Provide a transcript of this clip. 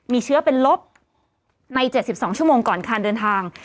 มีเชื้อเป็นลบใน๗๒ชั่วโมงก่อนการเดินทาง